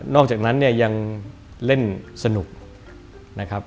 อกจากนั้นเนี่ยยังเล่นสนุกนะครับ